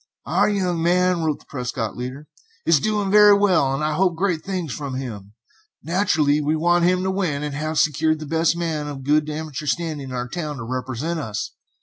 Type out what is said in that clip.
"Our young man," wrote the Prescott leader, "is doing very well, and I hope great things from him. Naturally we want to win, and have secured the best man of good amateur standing in our town to represent us.